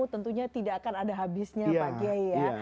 tentunya tidak akan ada habisnya pak kiai ya